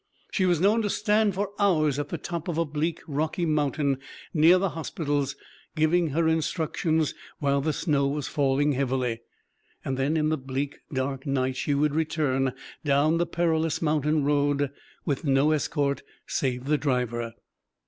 "She was known to stand for hours at the top of a bleak rocky mountain near the hospitals, giving her instructions while the snow was falling heavily. Then in the bleak dark night she would return down the perilous mountain road with no escort save the driver."